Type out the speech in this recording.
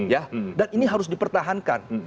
ya dan ini harus dipertahankan